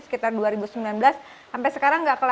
sekitar dua ribu sembilan belas sampai sekarang enggak